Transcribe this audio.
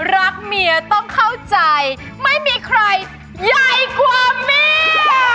รักเมียต้องเข้าใจไม่มีใครใหญ่กว่าเมีย